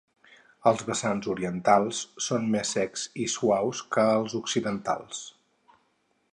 Els vessants orientals són més secs i suaus que els occidentals.